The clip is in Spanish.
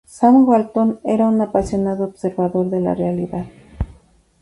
Sam Walton era un apasionado observador de la realidad.